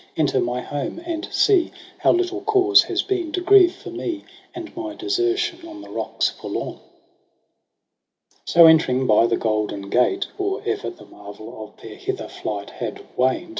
Enter my home and see How little cause has been to grieve for me. And my desertion on the rocks forlorn.' 7 So entering by the golden gate, or e'er The marvel of their hither flight had waned.